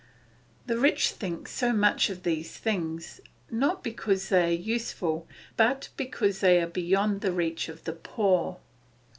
The rich think so much of these things, not because they are useful, but because they are beyond the reach of the poor.